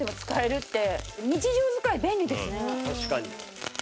確かに。